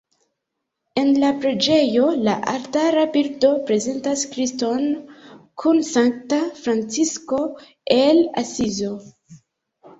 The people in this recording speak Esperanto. En la preĝejo la altara bildo prezentas Kriston kun Sankta Francisko el Asizo.